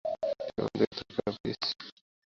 তুমি আমার দিকে তাকিও না, প্লীজ।